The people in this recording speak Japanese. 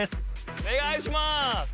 お願いします